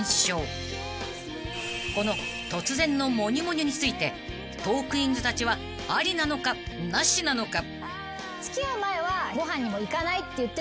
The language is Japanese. ［この突然のモニュモニュについてトークィーンズたちはありなのかなしなのか］